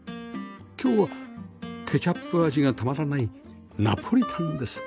今日はケチャップ味がたまらないナポリタンです